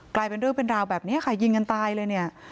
กลายเป็นเรื่องเป็นราวแบบนี้ค่ะยิงกันตายเลยเนี่ย